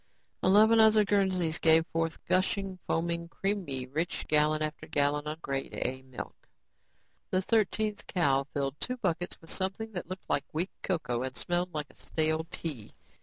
Eleven other Guernseys gave forth gushing, foaming, creamy rich gallon after gallon of Grade A milk. The thirteenth cow filled two buckets with something that looked like weak cocoa and smelled like stale tea.